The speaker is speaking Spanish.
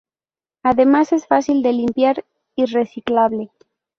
Además es fácil de limpiar y reciclable.